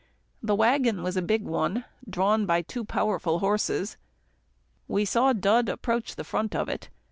The waggon was a big one, drawn by two powerful horses. We saw Dud approach the front of it.